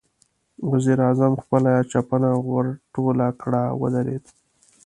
وزير اعظم خپله چپنه ورټوله کړه، ودرېد.